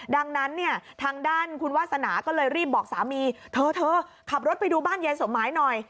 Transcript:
ดังนั้นเนี่ยทางด้านคุณวาสนาก็เลยรีบบอกสามีเธอเธอขับรถไปดูบ้านยายสมหมายหน่อย